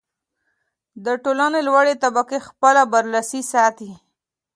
د ټولنې لوړې طبقې خپله برلاسي ساتي.